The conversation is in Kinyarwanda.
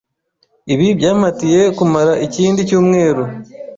Ibi byampatiye kumara ikindi cyumweru.